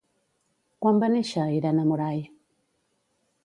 Quan va néixer Irene Moray?